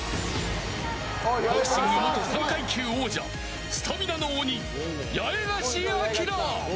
ボクシング元３回級王者スタミナの鬼、八重樫東。